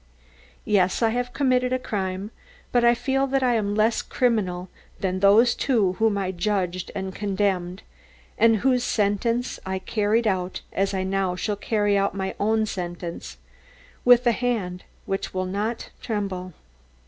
Yes, I have committed a crime, but I feel that I am less criminal than those two whom I judged and condemned, and whose sentence I carried out as I now shall carry out my own sentence with a hand which will not tremble.